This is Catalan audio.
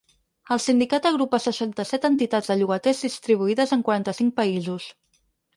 El sindicat agrupa seixanta-set entitats de llogaters distribuïdes en quaranta-cinc països.